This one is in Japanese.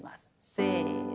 せの。